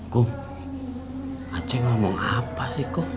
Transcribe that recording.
kuh ah cek ngomong apa sih kuh